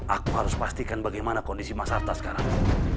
aku harus pastikan bagaimana kondisi mas harta sekarang